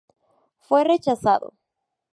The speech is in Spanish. Fue rechazado.